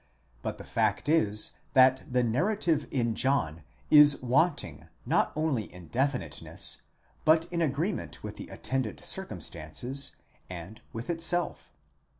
But the fact is that the narrative in John is wanting not only in definiteness, but in agree ment with the attendant circumstances and with itself.